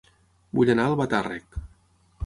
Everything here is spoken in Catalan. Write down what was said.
Vull anar a Albatàrrec